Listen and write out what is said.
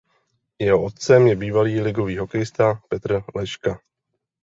Jeho otcem je bývalý ligový hokejista Petr Leška.